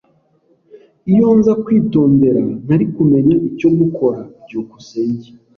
Iyo nza kwitondera, nari kumenya icyo gukora. byukusenge